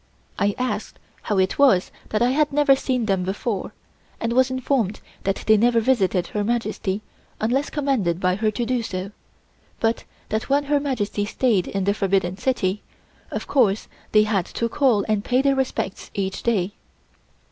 I asked how it was that I had never seen them before, and was informed that they never visited Her Majesty unless commanded by her to do so, but that when Her Majesty stayed in the Forbidden City, of course they had to call and pay their respects each day.